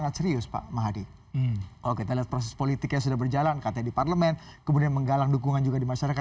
tetap bersama kami